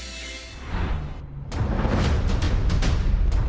สวัสดีครับ